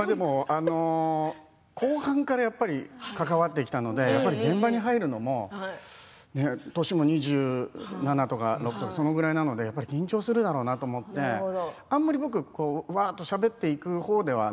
後半から関わってきたのでやっぱり現場に入るのも、年も２７とか６そのくらいなので緊張するだろうなと思ってあんまり僕わっとしゃべっていく方では。